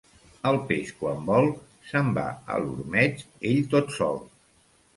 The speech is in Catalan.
El peix, quan vol, se'n va a l'ormeig ell tot sol.